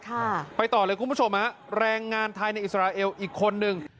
ค่ะไปต่อเลยคุณผู้ชมฮะแรงงานไทยในอิสราเอลอีกคนนึง